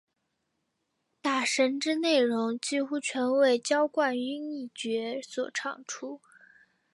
打神之内容几乎全为焦桂英一角所唱出。